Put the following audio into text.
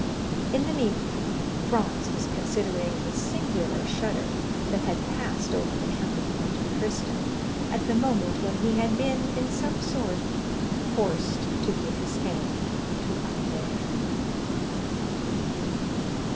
In the meanwhile Franz was considering the singular shudder that had passed over the Count of Monte Cristo at the moment when he had been, in some sort, forced to give his hand to Albert.